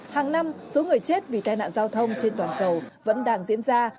hàng năm số người chết vì tai nạn giao thông trên toàn cầu vẫn đang diễn ra